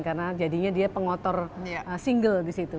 karena jadinya dia pengotor single di situ